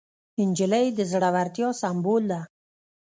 نجلۍ د زړورتیا سمبول ده.